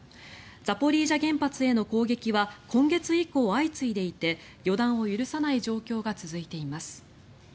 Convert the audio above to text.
ザポリージャ原発への攻撃は今月以降、相次いでいて予断を許さない状況が続いています。